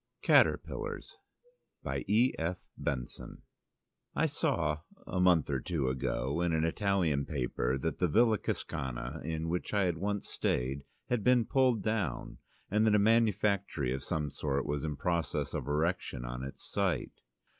Caterpillars I saw a month or two ago in an Italian paper that the Villa Cascana, in which I once stayed, had been pulled down, and that a manufactory of some sort was in process of erection on its site.